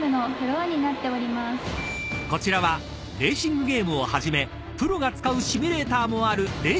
［こちらはレーシングゲームをはじめプロが使うシミュレーターもある］